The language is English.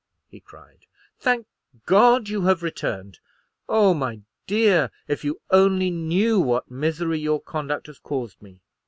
he cried; "thank God you have returned! Oh, my dear, if you only knew what misery your conduct has caused me!"